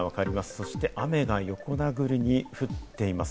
そして雨が横殴りに降っています。